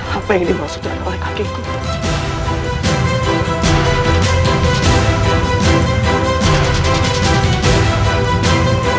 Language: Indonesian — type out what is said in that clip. apa yang dimaksudkan oleh kakek guru